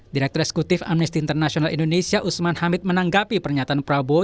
direktur eksekutif amnesty international indonesia usman hamid menanggapi pernyataan prabowo